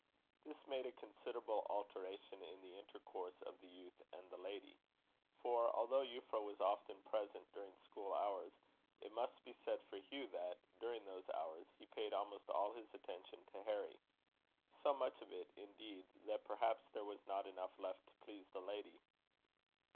This made a considerable alteration in the intercourse of the youth and the lady; for, although Euphra was often present during school hours, it must be said for Hugh that, during those hours, he paid almost all his attention to Harry; so much of it, indeed, that perhaps there was not enough left to please the lady.